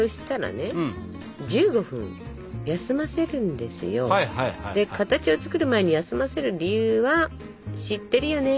で形を作る前に休ませる理由は知ってるよね？